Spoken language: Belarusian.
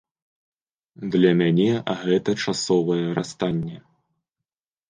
Для мяне гэта часовае расстанне.